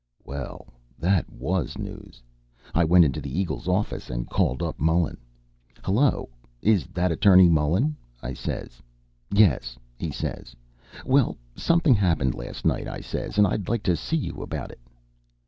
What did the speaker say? "Well, that was news! I went into the 'Eagle' office and called up Mullen. "'Hello! Is that Attorney Mullen?' I says. "'Yes,' he says. "'Well, something happened last night,' I says, 'and I'd like to see you about it.'